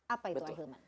apa itu ahlman